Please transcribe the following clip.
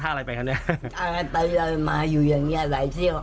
เราไปมาอยู่ใหญ่หลายเที่ยว